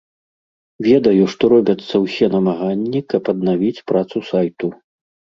Ведаю, што робяцца ўсе намаганні, каб аднавіць працу сайту.